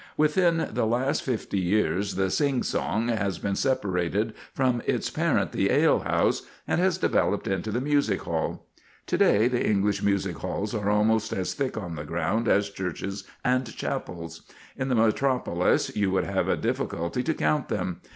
Within the last fifty years the "sing song" has been separated from its parent the alehouse, and has developed into the music hall. To day the English music halls are almost as thick on the ground as churches and chapels. In the metropolis you would have a difficulty to count them.